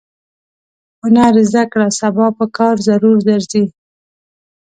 هنر زده کړه سبا پکار ضرور درځي.